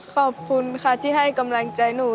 ขอบคุณค่ะที่ให้กำลังใจหนู